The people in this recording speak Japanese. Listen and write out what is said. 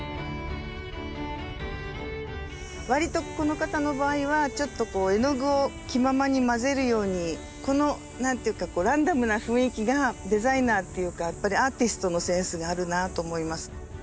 わりとこの方の場合はちょっと絵の具を気ままに混ぜるようにこの何ていうかランダムな雰囲気がデザイナーっていうかやっぱりアーティストのセンスがあるなと思います。